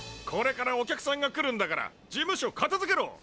これからお客さんが来るんだから事務所片づけろ！